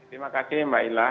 terima kasih mbak ila